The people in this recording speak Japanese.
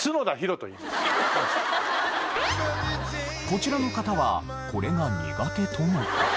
こちらの方はこれが苦手との事。